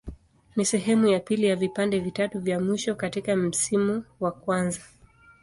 Ni sehemu ya pili ya vipande vitatu vya mwisho katika msimu wa kwanza.